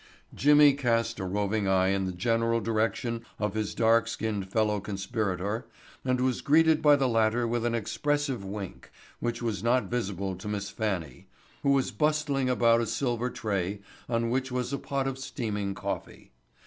Jimmy cast a roving eye in the general direction of his dark skinned fellow conspirator and was greeted by the latter with an expressive wink, which was not visible to Miss Fannie, who was bustling about a silver tray on which was a pot of steaming coffee.